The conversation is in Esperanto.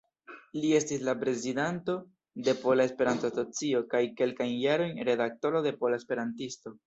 Li estis la prezidanto de Pola Esperanto-Asocio kaj kelkajn jarojn redaktoro de Pola Esperantisto.